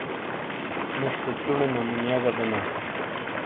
نُش تو چٗنے نمونیا گہ بینا۔